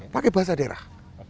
pakai bahasa daerah